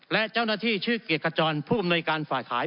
และเจ้าหน้าที่ชื่อเกียรติขจรผู้อำนวยการฝ่ายขาย